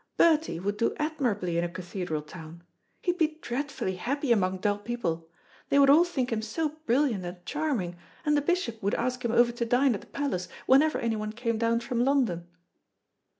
Bertie would do admirably in a cathedral town. He'd be dreadfully happy among dull people. They would all think him so brilliant and charming, and the bishop would ask him over to dine at the palace whenever anyone came down from London."